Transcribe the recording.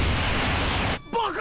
バカ！